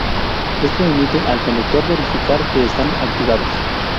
Esto permite al conductor verificar que están activados.